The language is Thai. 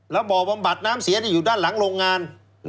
แล้วบ่อบำบัดน้ำเสียอยู่ด้านหลังโรงงาน